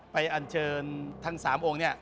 ไปอัญเชิญทั้ง๓องค์นี้